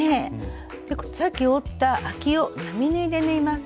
さっき折ったあきを並縫いで縫います。